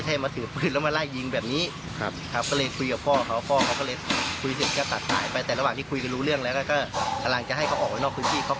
ชื่อก็คือนายมาร์คอายุเพิ่งจะ๒๐ปี